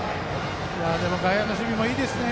外野の守備もいいですね。